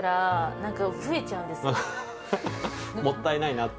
もったいないなって？